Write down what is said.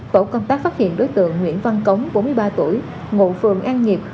tổ công tác phát hiện đối tượng nguyễn văn cống bốn mươi ba tuổi ngụ phường an nghiệp